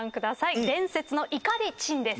伝説の怒り珍です。